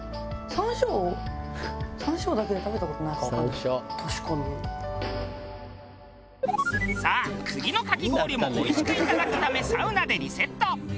マジでこのさあ次のかき氷もおいしくいただくためサウナでリセット。